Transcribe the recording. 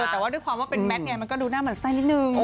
แต่ว่าด้วยความว่าเป็นแมทไงมันก็ดูหน้าเหมือนไส้นิดนึง